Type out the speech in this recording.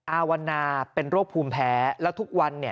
อาวันนาเป็นโรคภูมิแพ้แล้วทุกวันเนี่ย